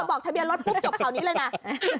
บอกทะเบียนรถปุ๊บจบข่าวนี้เลยนะ